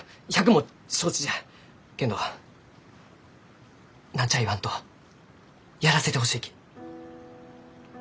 けんど何ちゃあ言わんとやらせてほしいき。